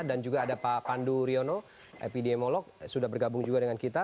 dan juga ada pak pandu riono epidemiolog sudah bergabung juga dengan kita